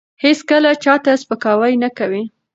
هیڅکله چا ته سپکاوی نه کوي.